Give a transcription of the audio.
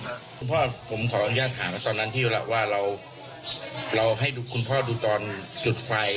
คุณพ่อผมขออนุญาตถามตอนนั้นพี่อยู่แล้วว่าเราเราให้ดูคุณพ่อดูตอนจุดไฟ